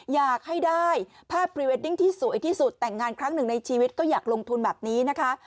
อยากให้ได้ภาพพรีเวดดิ้งที่สวยที่สุดแต่งงานครั้งหนึ่งในชีวิตก็อยากลงทุนแบบนี้นะคะ